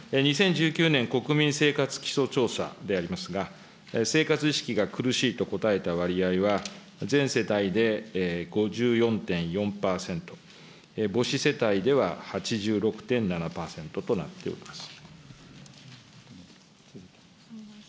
２０１９年国民生活基礎調査でありますが、生活意識が苦しいと答えた割合は、全世帯で５４．４％、母子世帯では８６．７％となっております。